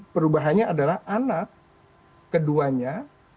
perubahannya adalah anak keduanya